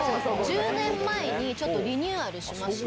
１０年前に、ちょっとリニューアルしまして。